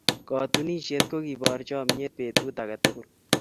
Katunisyet ko keboor chomnyet betut age tugul.